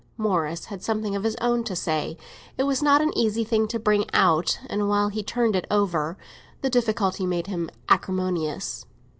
Morris had something of his own to say. It was not an easy thing to bring out, and while he turned it over the difficulty made him acrimonious.